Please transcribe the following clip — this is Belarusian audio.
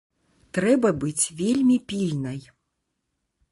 Трэба быць вельмі пільнай.